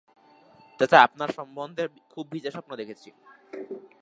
চাচা, আপনার সম্বন্ধে খুব খারাপ স্বপ্ন দেখেছি।